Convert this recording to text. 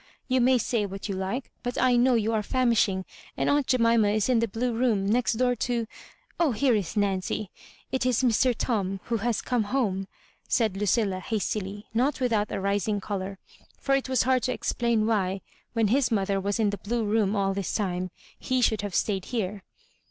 You may say what you like, but I know you are famishmg; and aunt Jemima is in the blue room, next door to— oh, here is Nan cy. It is Mr. Tom, who has come home," said Ludlla^ hastQy, not without a rising colour ; for it was hard to explaiu v/iiy, when hia mother was in the blue room all this time, he should have stayed here.